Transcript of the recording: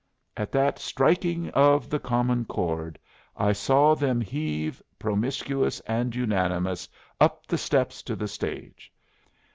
At that striking of the common chord I saw them heave, promiscuous and unanimous, up the steps to the stage.